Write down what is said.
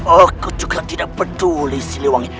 aku juga tidak peduli siliwangi